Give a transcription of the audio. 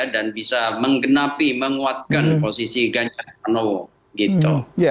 dan bisa menggenapi menguatkan posisi ganjaranowo